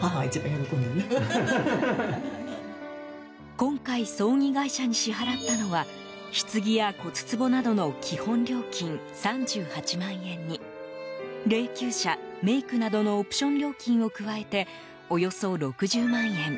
今回、葬儀会社に支払ったのはひつぎや骨つぼなどの基本料金３８万円に霊柩車、メイクなどのオプション料金を加えておよそ６０万円。